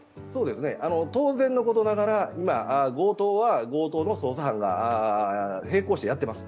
当然のことながら、今、強盗は強盗の捜査班が平行してやってます。